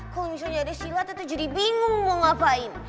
kalo misalnya ada sila tetep jadi bingung mau ngapain